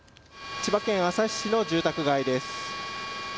千葉県旭市の住宅街です。